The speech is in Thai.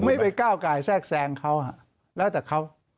ผมไม่ได้แก้วใกล้แทรกแทรงเขาหรอกแล้วแต่เขา